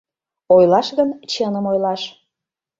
Ойлаш гын, чыным ойлаш.